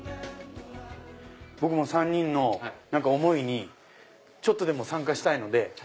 僕も３人の思いにちょっとでも参加したいので。